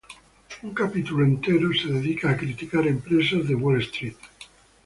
Un capítulo entero dedica a criticar empresas de Wall Street.